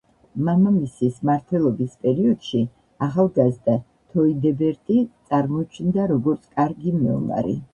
მამამისის მმართველობის პერიოდში ახალგაზრდა თოიდებერტი წარმოჩნდა, როგორც კარგი მეომარი.